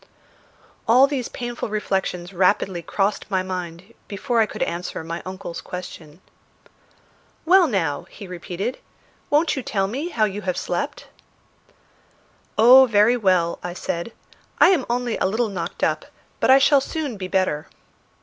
All these painful reflections rapidly crossed my mind before I could answer my uncle's question. "Well, now," he repeated, "won't you tell me how you have slept?" "Oh, very well," I said. "I am only a little knocked up, but I shall soon be better."